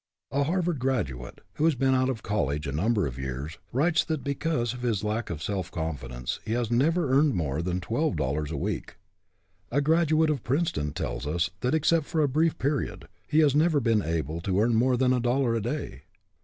A Harvard graduate, who has been out of college a number of years, writes that because of his lack of self confi dence he has never earned more than twelve dollars a week. A graduate of Princeton tells us that, except for a brief period, he has never been able to earn more than a dollar a day.